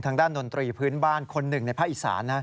ทางด้านดนตรีพื้นบ้านคนหนึ่งในพระอิสร